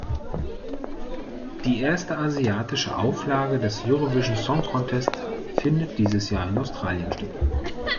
Die erste asiatische Auflage des Eurovision Song Contest findet dieses Jahr in Australien statt.